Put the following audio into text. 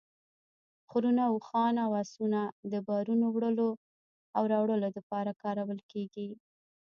خرونه ، اوښان او اسونه بارونو وړلو او راوړلو دپاره کارول کیږي